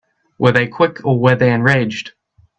Were they quick or were they enraged?